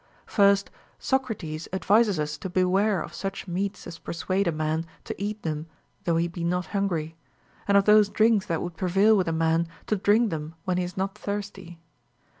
6. First, Socrates advises us to beΛvare of such meats as persuade a man to eat them though he be not hungry, and of those drinks that would prevail with a man to drink them Avhen he is not thirsty.